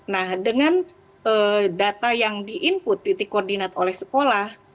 nah dengan data yang di input titik koordinat oleh sekolah